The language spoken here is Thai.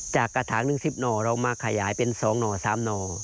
จากกระทางหนึ่ง๑๐นเรามาขยายเป็น๒๓น